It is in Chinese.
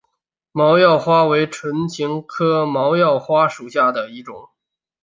毛药花为唇形科毛药花属下的一个种。